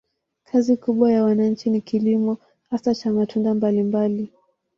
Kazi kubwa ya wananchi ni kilimo, hasa cha matunda mbalimbali.